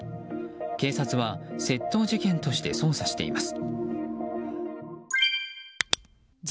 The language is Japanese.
警察は窃盗事件として捜査しています。